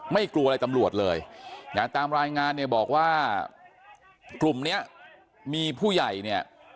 ไม่กลัวอะไรตำรวจเลยตามรายงานบอกว่ากลุ่มนี้มีผู้ใหญ่เนี่ย